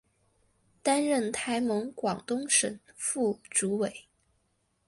担任台盟广东省副主委。